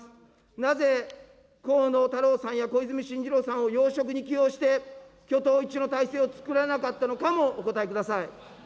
なぜ河野太郎さんや小泉進次郎さんを要職に起用して、挙党一致の態勢を作らなかったのかもお答えください。